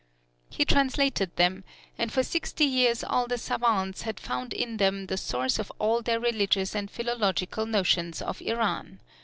He translated them, and for sixty years all the savants had found in them the source of all their religious and philological notions of Iran.